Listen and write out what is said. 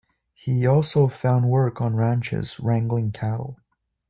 He also found work on ranches wrangling cattle.